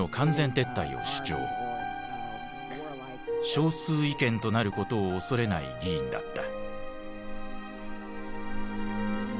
少数意見となることを恐れない議員だった。